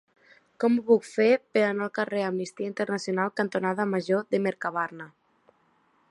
Com ho puc fer per anar al carrer Amnistia Internacional cantonada Major de Mercabarna?